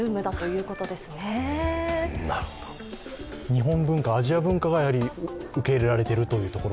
日本文化、アジア文化が受け入れられていると。